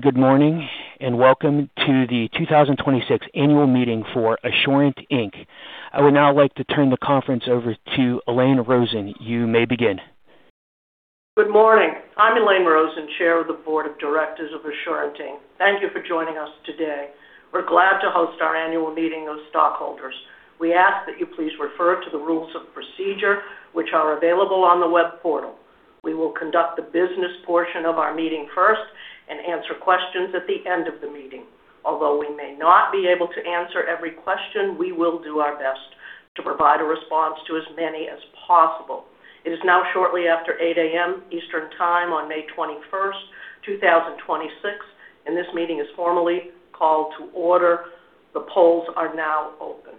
Good morning, welcome to the 2026 annual meeting for Assurant Inc. I would now like to turn the conference over to Elaine Rosen. You may begin. Good morning. I'm Elaine Rosen, Chair of the Board of Directors of Assurant, Inc. Thank you for joining us today. We're glad to host our annual meeting of stockholders. We ask that you please refer to the rules of procedure, which are available on the web portal. We will conduct the business portion of our meeting first and answer questions at the end of the meeting. Although we may not be able to answer every question, we will do our best to provide a response to as many as possible. It is now shortly after 8:00 A.M. Eastern Time on May 21st, 2026, and this meeting is formally called to order. The polls are now open.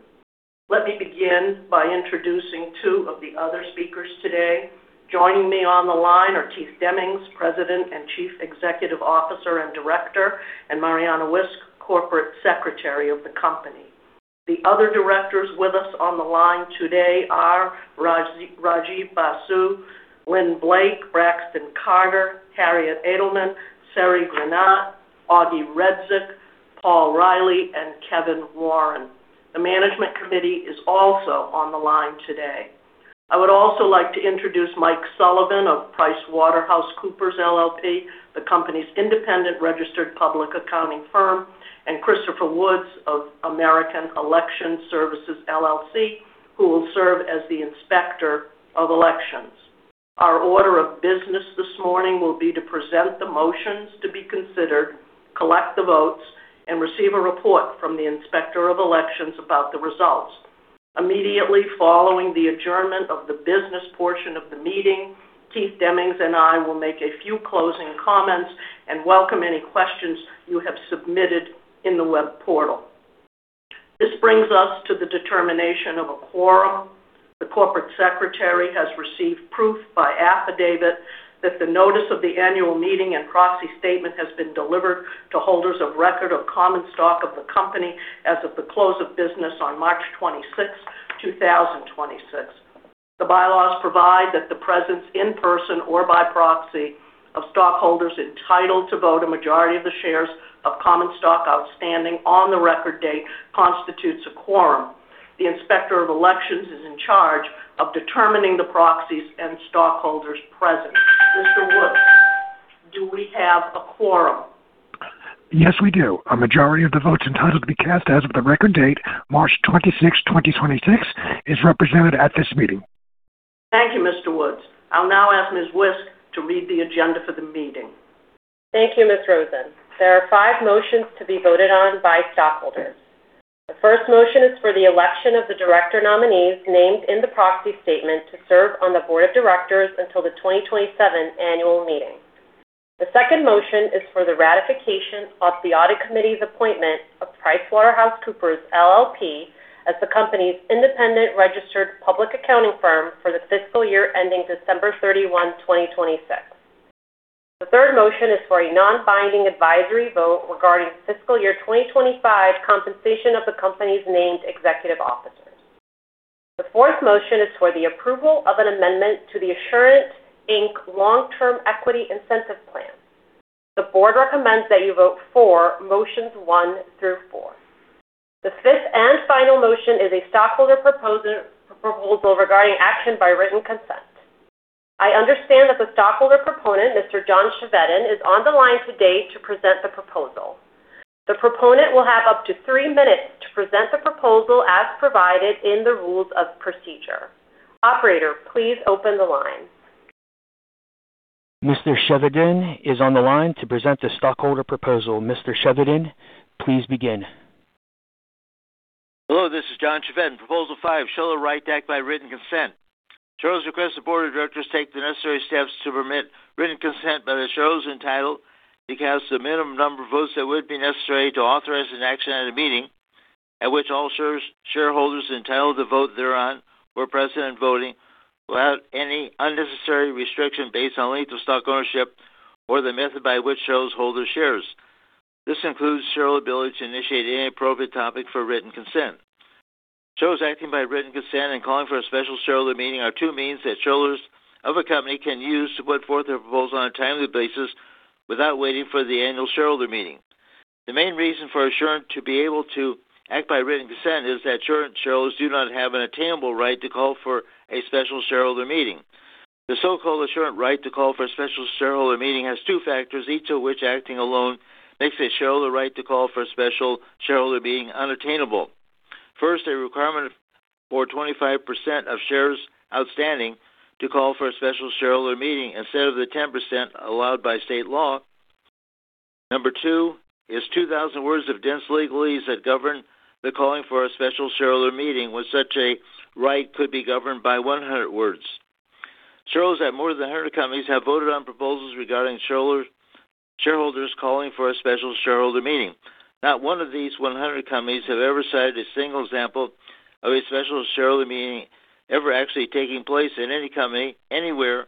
Let me begin by introducing two of the other speakers today. Joining me on the line are Keith Demmings, President and Chief Executive Officer and Director, and Mariana Wisk, Corporate Secretary of the company. The other directors with us on the line today are Rajiv Basu, Lynn Blake, Braxton Carter, Harriet Edelman, Sari Granat, Ogi Redzic, Paul Reilly, and Kevin Warren. The management committee is also on the line today. I would also like to introduce Mike Sullivan of PricewaterhouseCoopers LLP, the company's independent registered public accounting firm, and Christopher Woods of American Election Services, LLC, who will serve as the inspector of elections. Our order of business this morning will be to present the motions to be considered, collect the votes, and receive a report from the inspector of elections about the results. Immediately following the adjournment of the business portion of the meeting, Keith Demmings and I will make a few closing comments and welcome any questions you have submitted in the web portal. This brings us to the determination of a quorum. The Corporate Secretary has received proof by affidavit that the notice of the annual meeting and proxy statement has been delivered to holders of record of common stock of the company as of the close of business on March 26th, 2026. The bylaws provide that the presence in person or by proxy of stockholders entitled to vote a majority of the shares of common stock outstanding on the record date constitutes a quorum. The inspector of elections is in charge of determining the proxies and stockholders present. Mr. Woods, do we have a quorum? Yes, we do. A majority of the votes entitled to be cast as of the record date, March 26th, 2026, is represented at this meeting. Thank you, Mr. Woods. I'll now ask Ms. Wisk to read the agenda for the meeting. Thank you, Ms. Rosen. There are five motions to be voted on by stockholders. The first motion is for the election of the director nominees named in the proxy statement to serve on the board of directors until the 2027 annual meeting. The second motion is for the ratification of the audit committee's appointment of PricewaterhouseCoopers LLP as the company's independent registered public accounting firm for the fiscal year ending December 31, 2026. The third motion is for a non-binding advisory vote regarding fiscal year 2025 compensation of the company's named executive officers. The fourth motion is for the approval of an amendment to the Assurant, Inc. Long Term Equity Incentive Plan. The board recommends that you vote for motions one through four. The fifth and final motion is a stockholder proposal regarding action by written consent. I understand that the Stockholder Proponent, Mr. John Chevedden, is on the line today to present the proposal. The proponent will have up to three minutes to present the proposal as provided in the rules of procedure. Operator, please open the line. Mr. Chevedden is on the line to present the stockholder proposal. Mr. Chevedden, please begin. Hello, this is John Chevedden. Proposal five, shareholder right to act by written consent. Shareholders request the board of directors take the necessary steps to permit written consent by the shareholders entitled to cast the minimum number of votes that would be necessary to authorize an action at a meeting at which all shareholders entitled to vote thereon were present and voting without any unnecessary restriction based on length of stock ownership or the method by which shareholders hold their shares. This includes shareholder ability to initiate any appropriate topic for written consent. Shareholders acting by written consent and calling for a special shareholder meeting are two means that shareholders of a company can use to put forth their proposal on a timely basis without waiting for the annual shareholder meeting. The main reason for Assurant to be able to act by written consent is that Assurant shareholders do not have an attainable right to call for a special shareholder meeting. The so-called Assurant right to call for a special shareholder meeting has two factors, each of which acting alone makes a shareholder right to call for a special shareholder meeting unattainable. First, a requirement for 25% of shares outstanding to call for a special shareholder meeting instead of the 10% allowed by state law. Number two is 2,000 words of dense legalese that govern the calling for a special shareholder meeting when such a right could be governed by 100 words. Shareholders at more than 100 companies have voted on proposals regarding shareholders calling for a special shareholder meeting. Not one of these 100 companies have ever cited a single example of a special shareholder meeting ever actually taking place in any company, anywhere,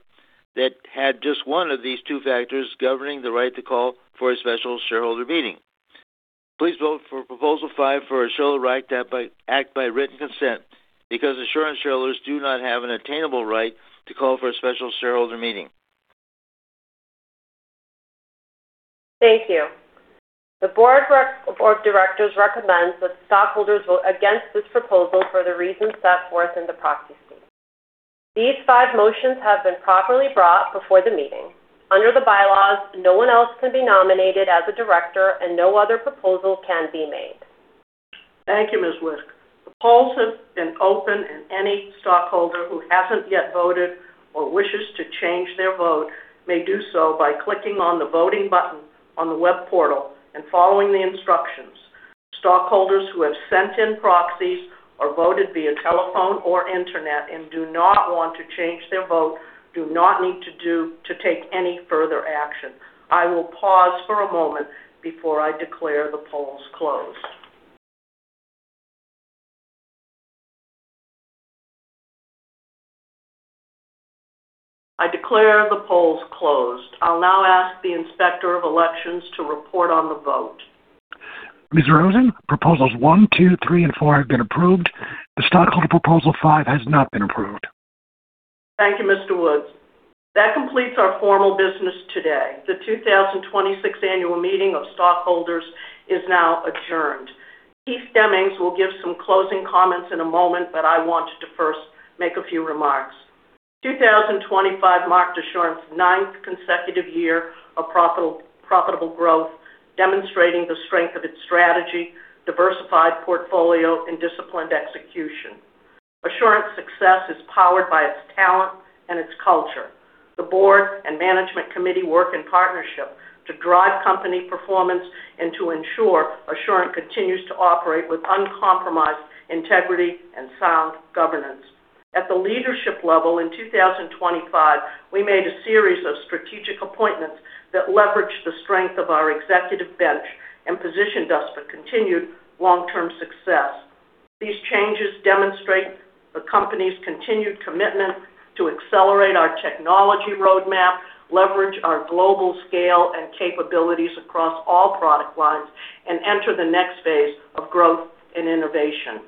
that had just one of these two factors governing the right to call for a special shareholder meeting. Please vote for Proposal five for a shareholder right to act by written consent because Assurant shareholders do not have an attainable right to call for a special shareholder meeting. Thank you. The board of directors recommends that stockholders vote against this proposal for the reasons set forth in the proxy statement. These five motions have been properly brought before the meeting. Under the bylaws, no one else can be nominated as a director, and no other proposal can be made. Thank you, Ms. Wisk. The polls have been open, any stockholder who hasn't yet voted or wishes to change their vote may do so by clicking on the voting button on the web portal and following the instructions. Stockholders who have sent in proxies or voted via telephone or internet and do not want to change their vote do not need to take any further action. I will pause for a moment before I declare the polls closed. I declare the polls closed. I'll now ask the Inspector of Elections to report on the vote. Ms. Rosen, Proposals one, two, three, and four have been approved. The stockholder Proposal five has not been approved. Thank you, Mr. Woods. That completes our formal business today. The 2026 annual meeting of stockholders is now adjourned. Keith Demmings will give some closing comments in a moment, but I wanted to first make a few remarks. 2025 marked Assurant's ninth consecutive year of profitable growth, demonstrating the strength of its strategy, diversified portfolio, and disciplined execution. Assurant's success is powered by its talent and its culture. The board and management committee work in partnership to drive company performance and to ensure Assurant continues to operate with uncompromised integrity and sound governance. At the leadership level in 2025, we made a series of strategic appointments that leveraged the strength of our executive bench and positioned us for continued long-term success. These changes demonstrate the company's continued commitment to accelerate our technology roadmap, leverage our global scale and capabilities across all product lines, and enter the next phase of growth and innovation.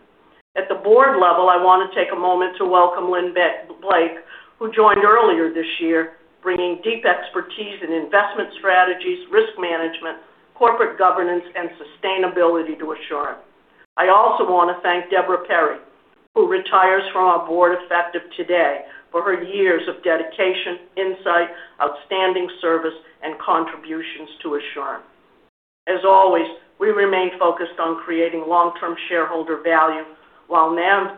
At the board level, I want to take a moment to welcome Lynn Blake, who joined earlier this year, bringing deep expertise in investment strategies, risk management, corporate governance, and sustainability to Assurant. I also want to thank Debra Perry, who retires from our board effective today, for her years of dedication, insight, outstanding service, and contributions to Assurant. As always, we remain focused on creating long-term shareholder value while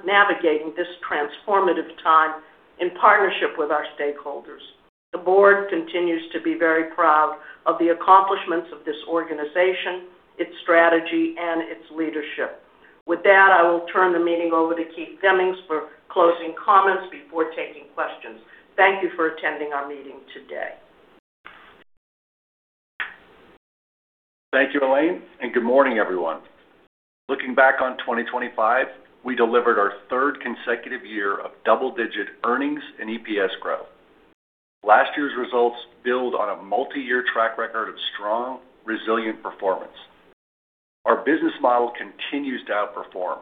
navigating this transformative time in partnership with our stakeholders. The board continues to be very proud of the accomplishments of this organization, its strategy, and its leadership. With that, I will turn the meeting over to Keith Demmings for closing comments before taking questions. Thank you for attending our meeting today. Thank you, Elaine, and good morning, everyone. Looking back on 2025, we delivered our third consecutive year of double-digit earnings and EPS growth. Last year's results build on a multi-year track record of strong, resilient performance. Our business model continues to outperform,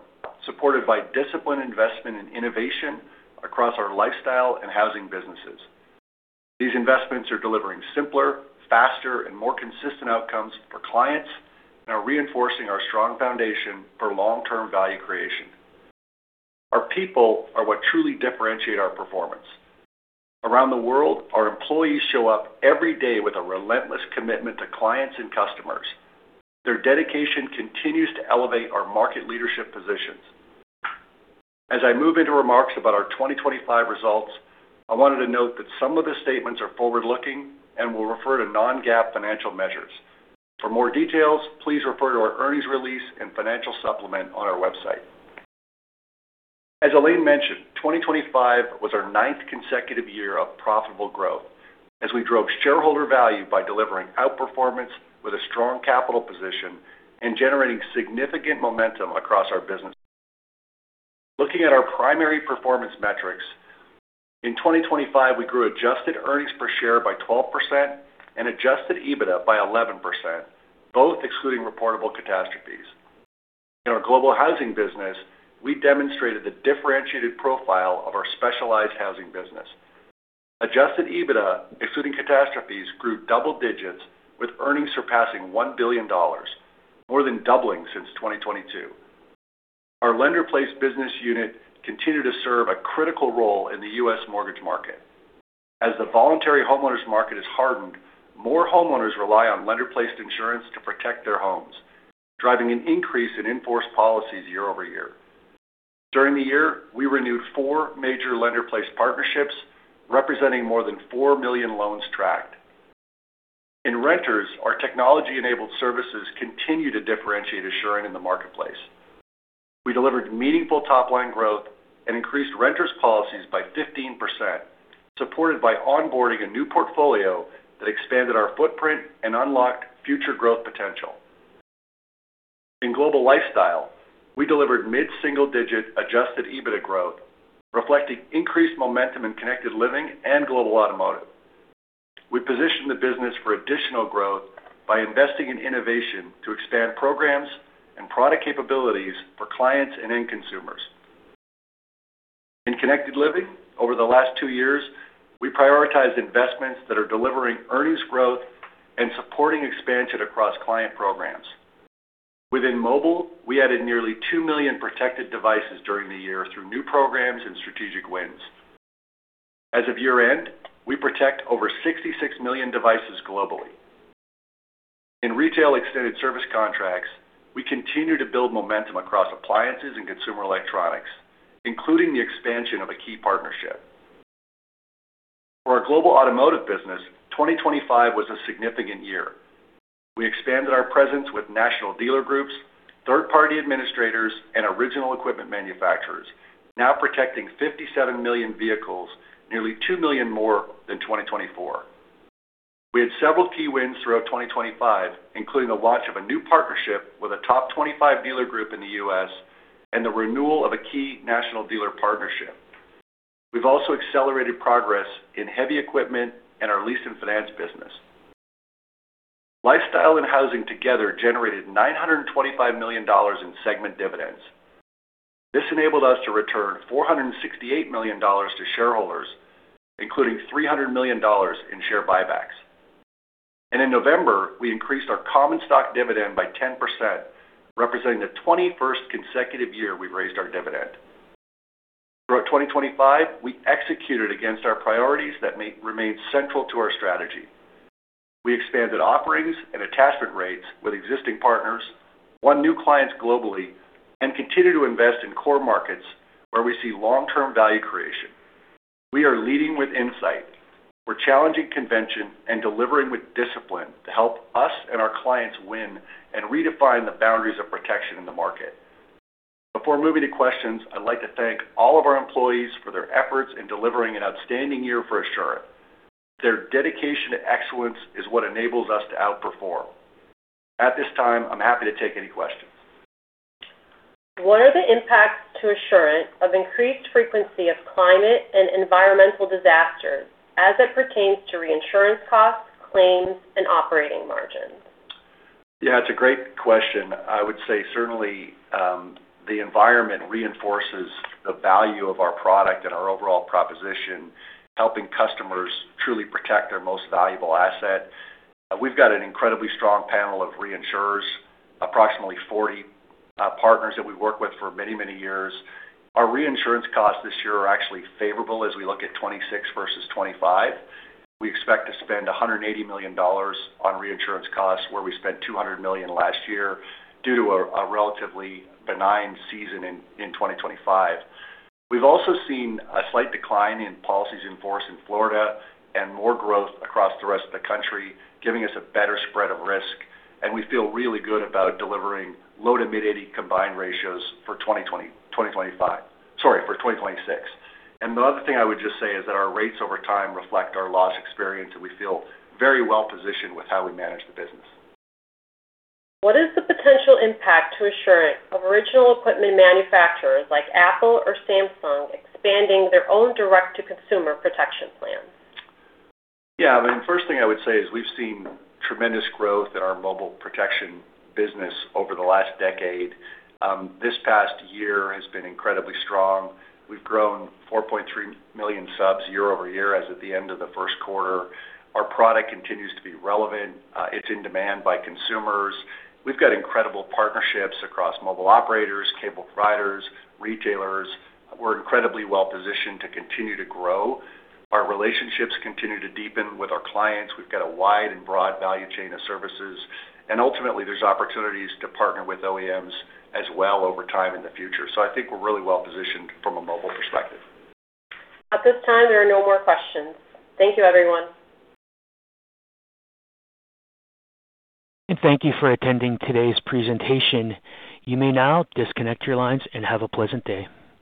supported by disciplined investment in innovation across our lifestyle and housing businesses. These investments are delivering simpler, faster, and more consistent outcomes for clients and are reinforcing our strong foundation for long-term value creation. Our people are what truly differentiate our performance. Around the world, our employees show up every day with a relentless commitment to clients and customers. Their dedication continues to elevate our market leadership positions. As I move into remarks about our 2025 results, I wanted to note that some of the statements are forward-looking and will refer to non-GAAP financial measures. For more details, please refer to our earnings release and financial supplement on our website. As Elaine mentioned, 2025 was our ninth consecutive year of profitable growth as we drove shareholder value by delivering outperformance with a strong capital position and generating significant momentum across our business. Looking at our primary performance metrics, in 2025, we grew adjusted earnings per share by 12% and adjusted EBITDA by 11%, both excluding reportable catastrophes. In our Global Housing business, we demonstrated the differentiated profile of our specialized housing business. Adjusted EBITDA, excluding catastrophes, grew double digits with earnings surpassing $1 billion, more than doubling since 2022. Our lender-placed business unit continued to serve a critical role in the U.S. mortgage market. As the voluntary homeowners market has hardened, more homeowners rely on Lender-Placed Insurance to protect their homes, driving an increase in in-force policies year-over-year. During the year, we renewed four major lender-placed partnerships representing more than 4 million loans tracked. In renters, our technology-enabled services continue to differentiate Assurant in the marketplace. We delivered meaningful top-line growth and increased renters policies by 15%, supported by onboarding a new portfolio that expanded our footprint and unlocked future growth potential. In Global Lifestyle, we delivered mid-single-digit adjusted EBITDA growth, reflecting increased momentum in Connected Living and Global Automotive. We position the business for additional growth by investing in innovation to expand programs and product capabilities for clients and end consumers. In Connected Living, over the last two years, we prioritized investments that are delivering earnings growth and supporting expansion across client programs. Within mobile, we added nearly 2 million protected devices during the year through new programs and strategic wins. As of year-end, we protect over 66 million devices globally. In retail extended service contracts, we continue to build momentum across appliances and consumer electronics, including the expansion of a key partnership. For our Global Automotive business, 2025 was a significant year. We expanded our presence with national dealer groups, third-party administrators, and Original Equipment Manufacturers, now protecting 57 million vehicles, nearly 2 million more than 2024. We had several key wins throughout 2025, including the launch of a new partnership with a top 25 dealer group in the U.S. and the renewal of a key national dealer partnership. We've also accelerated progress in heavy equipment and our lease and finance business. Lifestyle and Housing together generated $925 million in segment dividends. This enabled us to return $468 million to shareholders, including $300 million in share buybacks. In November, we increased our common stock dividend by 10%, representing the 21st consecutive year we've raised our dividend. Throughout 2025, we executed against our priorities that remain central to our strategy. We expanded offerings and attachment rates with existing partners, won new clients globally, and continue to invest in core markets where we see long-term value creation. We are leading with insight. We're challenging convention and delivering with discipline to help us and our clients win and redefine the boundaries of protection in the market. Before moving to questions, I'd like to thank all of our employees for their efforts in delivering an outstanding year for Assurant. Their dedication to excellence is what enables us to outperform. At this time, I'm happy to take any questions. What are the impacts to Assurant of increased frequency of climate and environmental disasters as it pertains to reinsurance costs, claims, and operating margins? Yeah, it's a great question. I would say certainly, the environment reinforces the value of our product and our overall proposition, helping customers truly protect their most valuable asset. We've got an incredibly strong panel of reinsurers, approximately 40 partners that we've worked with for many, many years. Our reinsurance costs this year are actually favorable as we look at 2026 versus 2025. We expect to spend $180 million on reinsurance costs, where we spent $200 million last year due to a relatively benign season in 2025. We've also seen a slight decline in policies in force in Florida and more growth across the rest of the country, giving us a better spread of risk, and we feel really good about delivering low to mid-80 combined ratio for 2025. Sorry, for 2026. The other thing I would just say is that our rates over time reflect our loss experience, and we feel very well positioned with how we manage the business. What is the potential impact to Assurant of original equipment manufacturers like Apple or Samsung expanding their own direct-to-consumer protection plans? Yeah. I mean, first thing I would say is we've seen tremendous growth in our mobile protection business over the last decade. This past year has been incredibly strong. We've grown 4.3 million subs year-over-year as of the end of the first quarter. Our product continues to be relevant. It's in demand by consumers. We've got incredible partnerships across mobile operators, cable providers, retailers. We're incredibly well positioned to continue to grow. Our relationships continue to deepen with our clients. We've got a wide and broad value chain of services. Ultimately, there's opportunities to partner with OEMs as well over time in the future. I think we're really well positioned from a mobile perspective. At this time, there are no more questions. Thank you, everyone. Thank you for attending today's presentation. You may now disconnect your lines and have a pleasant day.